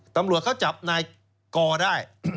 ตำรวจเขาจับนายกอได้